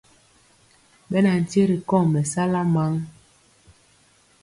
Ɓɛ na nkye ri kɔŋ mɛsala maŋ.